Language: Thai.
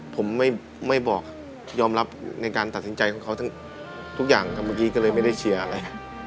ผมไม่บอกยอมรับในการตัดสินใจของเขาทั้งทุกอย่างครับเมื่อกี้ก็เลยไม่ได้เชียร์อะไร